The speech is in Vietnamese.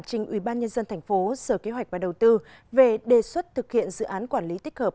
trình ubnd tp sở kế hoạch và đầu tư về đề xuất thực hiện dự án quản lý tích hợp